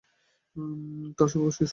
তার স্বভাব শিশুতোষ।